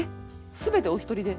全てお一人で？